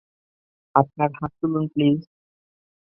আপনার হাত তুলুন, প্লিজ।